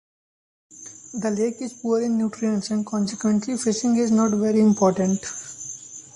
The lake is poor in nutritients, and consequently fishing is not very important.